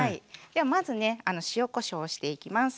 ではまずね塩こしょうをしていきます。